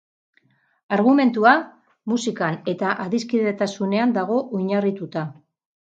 Argumentua, musikan eta adiskidetasunean dago oinarrituta.